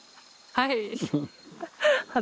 はい。